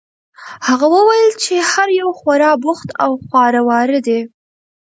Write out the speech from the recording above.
هغه وویل چې هر یو خورا بوخت او خواره واره دي.